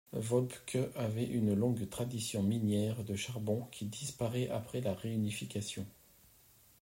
Völpke avait une longue tradition minière de charbon qui disparaît après la réunification.